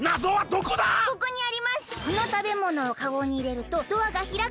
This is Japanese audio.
「このたべものをカゴにいれるとドアがひらく」